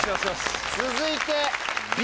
続いてＢ。